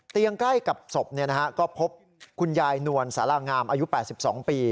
ใกล้กับศพก็พบคุณยายนวลสารางามอายุ๘๒ปี